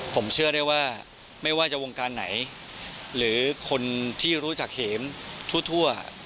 ผมเชื่อได้ว่าไม่ว่าจะวงการไหนหรือคนที่รู้จักเห็มทั่ว